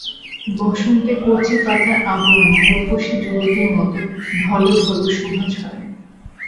বসন্তে কচি পাতার আবরণে রূপসী যুবতীর মতো ঢলো ঢলো শোভা ছড়ায়।